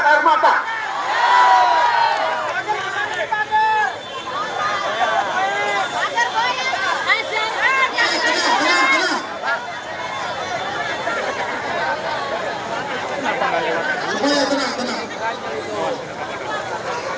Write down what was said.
hai kak akhing